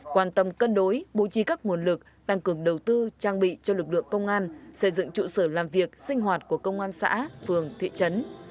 quan tâm cân đối bố trí các nguồn lực tăng cường đầu tư trang bị cho lực lượng công an xây dựng trụ sở làm việc sinh hoạt của công an xã phường thị trấn